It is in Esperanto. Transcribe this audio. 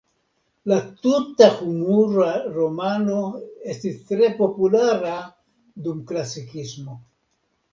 La tuta humura romano estis tre populara dum Klasikismo.